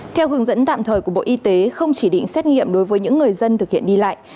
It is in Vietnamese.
theo hướng dẫn tạm thời của bộ y tế không chỉ định xét nghiệm đối với những người dân thực hiện đi lại